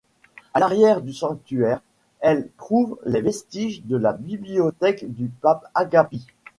À l'arrière du sanctuaire, se trouvent les vestiges de la bibliothèque du pape Agapit.